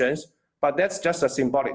tapi itu hanya sebuah jumlah simbolik